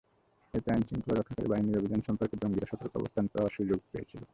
এতে আইনশৃঙ্খলা রক্ষাকারী বাহিনীর অভিযান সম্পর্কে জঙ্গিরা সতর্ক অবস্থান নেওয়ার সুযোগ পেয়েছিল।